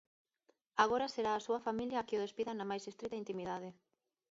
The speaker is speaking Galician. Agora será a súa familia a que o despida na máis estrita intimidade.